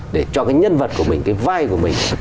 để cho cái nhân vật của mình cái vai của mình